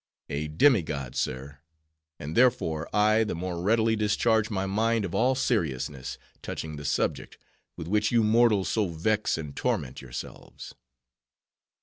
"A demi god, sir; and therefore I the more readily discharge my mind of all seriousness, touching the subject, with which you mortals so vex and torment yourselves."